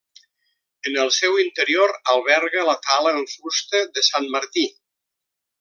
En el seu interior alberga la tala en fusta de Sant Martí.